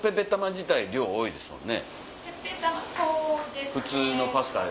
自体量多いですもんね？